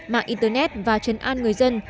mạng internet và chấn an người dân